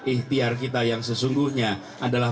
ikhtiar kita yang sesungguhnya adalah